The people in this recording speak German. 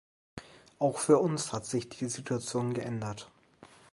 Auch für uns hat sich die Situation geändert.